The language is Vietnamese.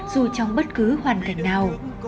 dù trong bất cứ hoàn cảnh nào